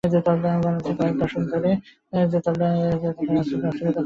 বাংলাদেশে কয়েক দশক ধরে রাজনৈতিক অস্থিরতা থাকলেও অর্থনীতি বিস্ময়কর সাফল্য অর্জন করে আসছে।